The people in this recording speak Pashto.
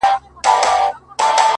ځاى جوړاوه!